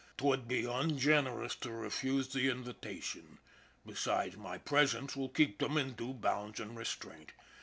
'Twould be ungracious to refuse the invitation ; besides my presence will keep them in due bounds an' restraint.